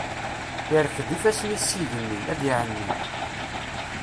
Irfed ifassen-is s igenni, ad iεenni.